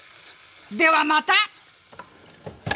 では、また！